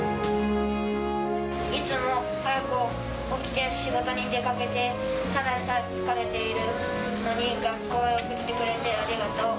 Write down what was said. いつも早く起きて、仕事に出かけて、ただでさえ疲れているのに、学校へ送ってくれてありがとう。